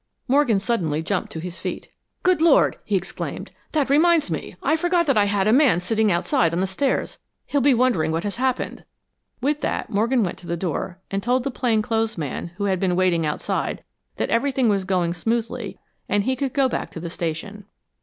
Morgan suddenly jumped to his feet. "Good Lord!" he exclaimed, "that reminds me. I forgot that I had a man sitting outside on the stairs. He'll be wondering what has happened." With that Morgan went to the door and told the plain clothes man, who had been waiting outside, that everything was going smoothly and he could go back to the station.